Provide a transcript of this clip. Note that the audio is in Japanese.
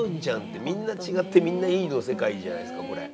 「みんな違ってみんないい」の世界じゃないですかこれ。